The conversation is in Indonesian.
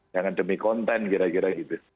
jangan demi konten kira kira gitu